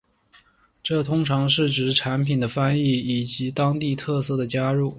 这通常是指产品的翻译以及当地特色的加入。